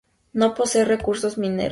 No posee recursos mineros.